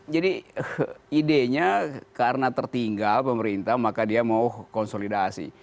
jadi idenya karena tertinggal pemerintah maka dia mau konsolidasi